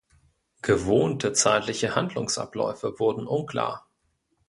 Gewohnte zeitliche Handlungsabläufe wurden unklar.